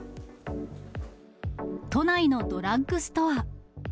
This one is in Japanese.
都内のドラッグストア。